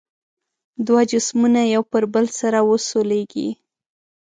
دوه جسمونه یو پر بل سره وسولیږي.